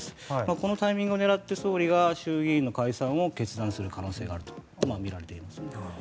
このタイミングを狙って総理が衆議院の解散を決断する可能性があるとみられています。